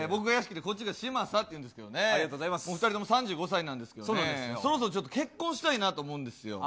２人とも３５歳なんですけれども、そろそろ結婚したいと思うんですよ。